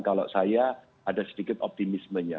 kalau saya ada sedikit optimismenya